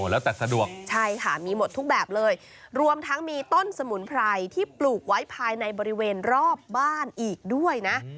แล้วแต่สะดวกใช่ค่ะมีหมดทุกแบบเลยรวมทั้งมีต้นสมุนไพรที่ปลูกไว้ภายในบริเวณรอบบ้านอีกด้วยนะ